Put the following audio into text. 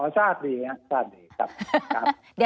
อ๋อทราบดีครับ